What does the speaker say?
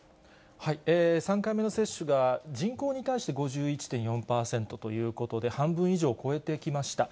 ３回目の接種が人口に関して５１．４％ということで、半分以上超えてきました。